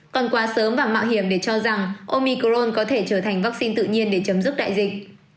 còn quá sớm và mạo hiểm để cho rằng omicrone có thể trở thành vaccine tự nhiên để chấm dứt đại dịch